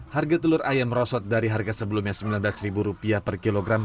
harga telur ayam merosot dari harga sebelumnya rp sembilan belas per kilogram